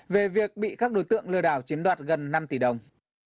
về việc bị các đối tượng lừa đảo chiếm đoạt gần năm tỷ đồng